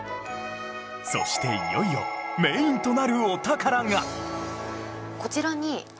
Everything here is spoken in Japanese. そしていよいよメインとなるお宝が